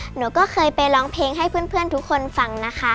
หนูก็เคยไปร้องเพลงให้เพื่อนทุกคนฟังนะคะ